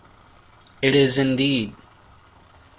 It is, indeed!